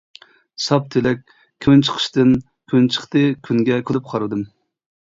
ساپ تىلەك كۈن چىقىشتىن كۈن چىقتى كۈنگە كۈلۈپ قارىدىم.